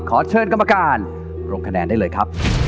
ขอเชิญกรรมการลงคะแนนได้เลยครับ